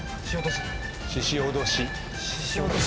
ししおどし。